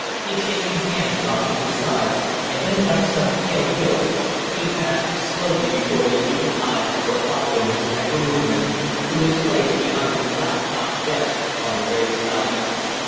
His shaking hand dropped to his side, and then like some pale ghost, he passed slowly before the eager eyes that were following his every movement to his place behind the flat topped desk on the raised dais.